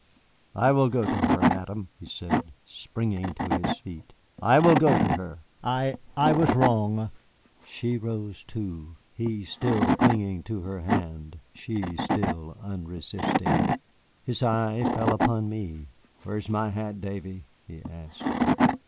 "I will go to her, Madame!" he said, springing to his feet. "I will go to her. I I was wrong." She rose, too, he still clinging to her hand, she still unresisting. His eye fell upon me. "Where is my hat, Davy?" he asked.